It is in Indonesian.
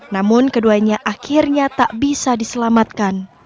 namun keduanya akhirnya tak bisa diselamatkan